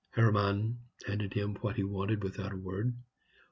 Hermann handed him what he wanted without a word.